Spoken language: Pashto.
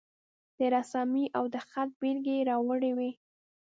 د رسامي او د خط بیلګې یې راوړې وې.